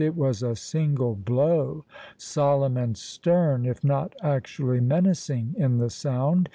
It was a single blow, solemn and stern, if not actually menacing in the sound.